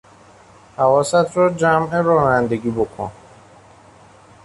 حواست را جمع رانندگی بکن!